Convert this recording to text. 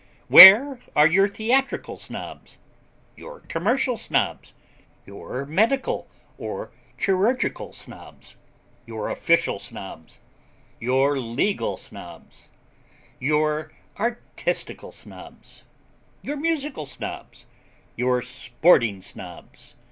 'Where are your Theatrical Snobs; your Commercial Snobs; your Medical and Chirurgical Snobs; your Official Snobs; your Legal Snobs; your Artistical Snobs; your Musical Snobs; your Sporting Snobs?'